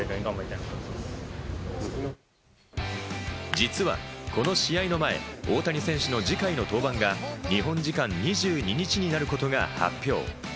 実はこの試合の前、大谷選手の次回の登板が日本時間２２日になることが発表。